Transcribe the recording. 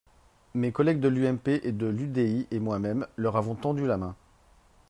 Mes collègues de l’UMP et de l’UDI et moi-même leur avons tendu la main.